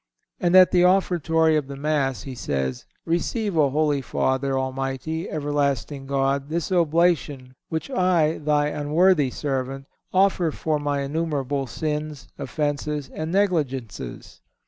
And at the Offertory of the Mass he says: "Receive, O Holy Father, almighty, everlasting God, this oblation which I, Thy unworthy servant, offer for my innumerable sins, offences and negligences."